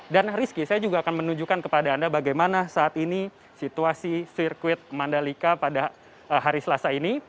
dan rizky saya juga akan menunjukkan kepada anda bagaimana saat ini situasi sirkuit mandalika pada hari selasa ini